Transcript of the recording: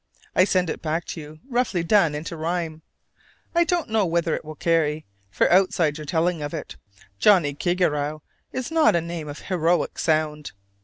I send it back to you roughly done into rhyme. I don't know whether it will carry; for, outside your telling of it, "Johnnie Kigarrow" is not a name of heroic sound.